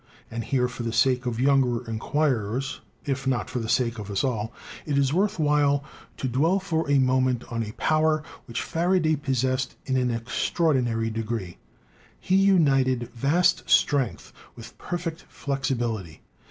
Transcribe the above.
And here, for the sake of younger inquirers, if not for the sake of us all, it is worth while to dwell for a moment on a power which Faraday possesed in an extraordinary degree. He united vast strength with perfect flexibility.